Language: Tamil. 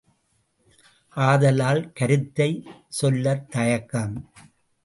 ஆதலால் கருத்தைச் சொல்லத் தயக்கம்!